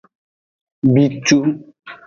Bitu.